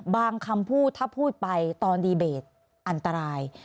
คำพูดถ้าพูดไปตอนดีเบตอันตราย